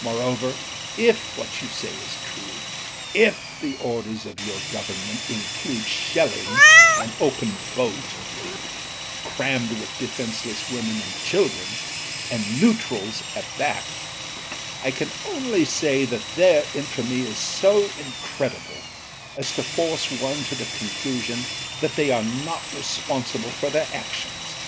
Moreover, if what you say is true, if the orders of your Government include shelling an open boat crammed with defenceless women and chil dren — ^and neutrals at that — I can only say that their infamy is so incredible as to force one to the con clusion that they are not responsible for their actions.